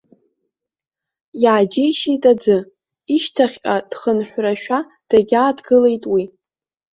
Иааџьеишьеит аӡәы, ишьҭахьҟа дхынҳәрашәа дагьааҭгылеит уи.